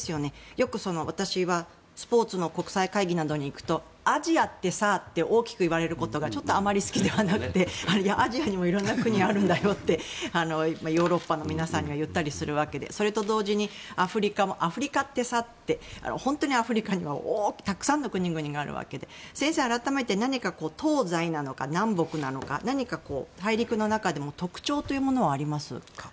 よく、私はスポーツの国際会議などに行くとアジアってさとよく言われることがちょっとあまり好きではなくてアジアにも、いろいろな国があるんだよってヨーロッパの皆さんには言ったりするわけでそれと同時にアフリカってさって本当にアフリカにもたくさんの国々があるわけで先生、改めて何か東西なのか、南北なのか何か大陸の中でも特徴というものはありますか？